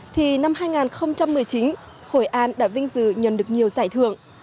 thì năm hai nghìn một mươi chín hội an đã vinh dự nhận được nhiều giải thưởng